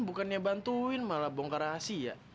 bukannya bantuin malah bongkar rahasia